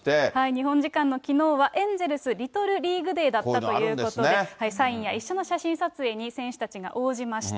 日本時間のきのうはエンゼルスリトルリーグデーだったということで、サインや一緒の写真撮影に選手たちが応じました。